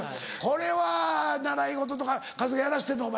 これは習い事とか春日やらしてんの？